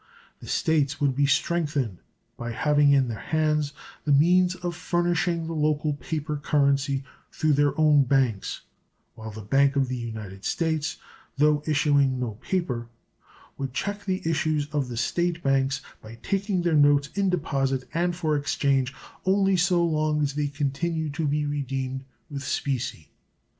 The States would be strengthened by having in their hands the means of furnishing the local paper currency through their own banks, while the Bank of the United States, though issuing no paper, would check the issues of the State banks by taking their notes in deposit and for exchange only so long as they continue to be redeemed with specie.